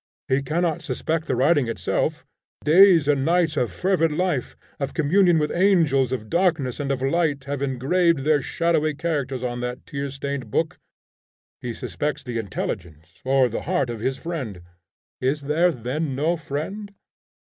He cannot suspect the writing itself. Days and nights of fervid life, of communion with angels of darkness and of light have engraved their shadowy characters on that tear stained book. He suspects the intelligence or the heart of his friend. Is there then no friend?